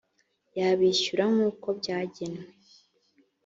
y abishyura nk uko byagenwe